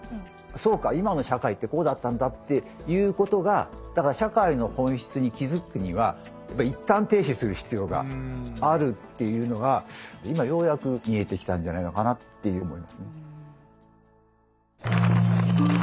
そうか今の社会ってこうだったんだっていうことが社会の本質に気付くには一旦停止する必要があるっていうのが今ようやく見えてきたんじゃないのかなっていう。